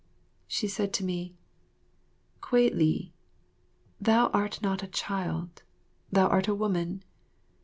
She said to me, "Kwei li, thou art not a child, thou art a woman.